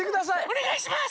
おねがいします！